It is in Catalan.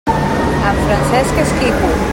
En Francesc és quico.